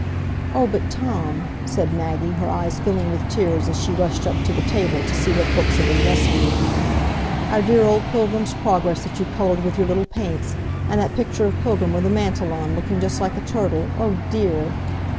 "Oh, but, Tom," said Maggie, her eyes filling with tears, as she rushed up to the table to see what books had been rescued. "Our dear old Pilgrim's Progress that you coloured with your little paints; and that picture of Pilgrim with a mantle on, looking just like a turtle—oh dear!"